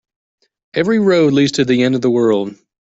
Every road leads to the end of the world.